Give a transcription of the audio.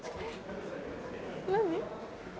何？